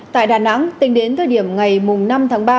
tại đà nẵng tính đến thời điểm ngày năm tháng ba